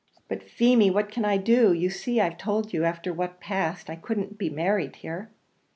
"But, Feemy, what can I do? you see I've told you after what passed I couldn't be married here."